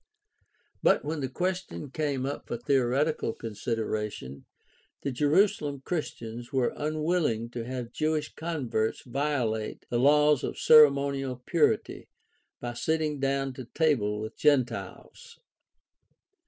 But when the question came up for theoretical consideration, the Jerusalem Christians were unwilling to have Jewish converts violate the laws of cere monial purity by sitting down to table with Gentiles.